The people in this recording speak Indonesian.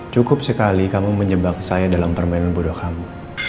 cukup sekali kamu menjebak saya dalam permainan bodoh kamu